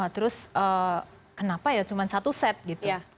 terus kenapa ya cuma satu set gitu